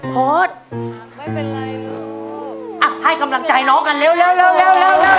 โหดให้กำลังใจน้องกันเร็วเร็วเร็ว